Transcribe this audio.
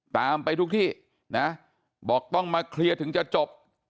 ตามไปทุกที่นะบอกต้องมาเคลียร์ถึงจะจบ